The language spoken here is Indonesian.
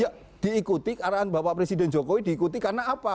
ya diikuti arahan bapak presiden jokowi diikuti karena apa